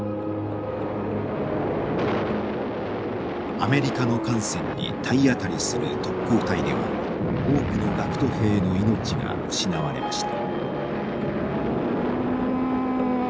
アメリカの艦船に体当たりする特攻隊では多くの学徒兵の命が失われました。